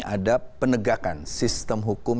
ada penegakan sistem hukum